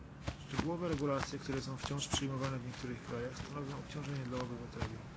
Szczegółowe regulacje, które są wciąż przyjmowane w niektórych krajach, stanowią obciążenie dla obywateli